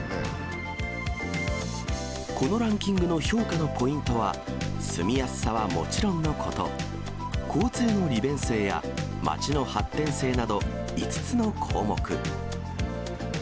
このランキングの評価のポイントは、住みやすさはもちろんのこと、交通の利便性や街の発展性など、５つの項目。